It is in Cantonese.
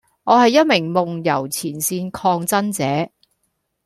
我係一名夢遊前線抗爭者